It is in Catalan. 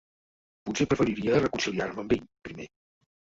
Potser preferiria reconciliar-me amb ell, primer.